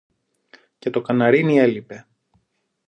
Και το καναρίνι έλειπε